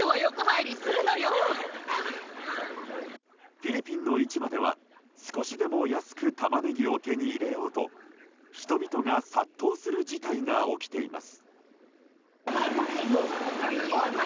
フィリピンの市場では少しでも安くタマネギを手に入れようと人々が殺到する事態が起きています。